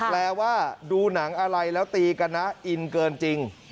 แปลว่าดูหนังอะไรแล้วตีกันนะอินเกินจริง